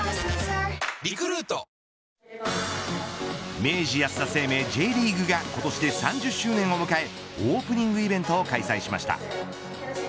明治安田生命Ｊリーグが今年で３０周年を迎えオープニングイベントを開催しました。